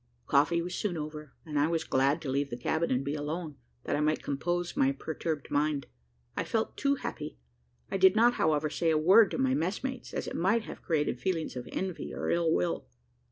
Coffee was soon over, and I was glad to leave the cabin and be alone, that I might compose my perturbed mind. I felt too happy. I did not however, say a word to my messmates, as it might have created feelings of envy or ill will.